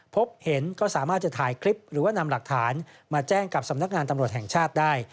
พบเห็นก็สามารถจะถ่ายคลิปหรือว่านำหลักฐานมาแจ้งกับสำนักงานตำรวจแห่งชาติได้